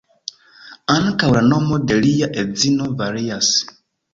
Ankaŭ la nomo de lia edzino varias.